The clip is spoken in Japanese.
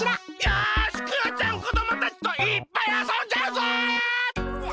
よしクヨちゃんこどもたちといっぱいあそんじゃうぞ！